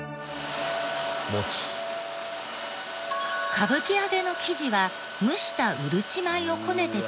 歌舞伎揚の生地は蒸したうるち米をこねて作っていきますが。